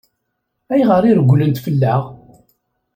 Ayɣer i regglent fell-aɣ?